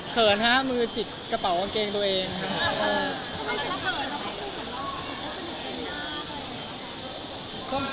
เขินฮะมือจิบกระเป๋าอังเกงตัวเอง